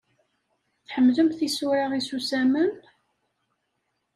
Tḥemmlemt isura isusamen?